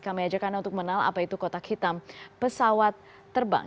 kami ajakannya untuk menal apa itu kotak hitam pesawat terbang